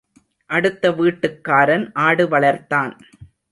அடுத்த வீட்டுக்காரன் ஆடு வளர்த்தான்.